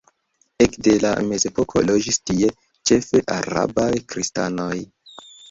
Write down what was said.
Ekde la mezepoko loĝis tie ĉefe arabaj kristanoj.